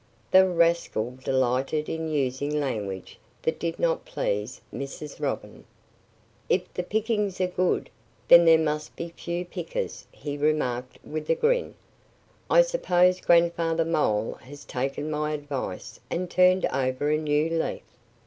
The rascal delighted in using language that did not please Mrs. Robin. "If the pickings are good, then there must be fewer pickers," he remarked with a grin. "I suppose Grandfather Mole has taken my advice and turned over a new leaf."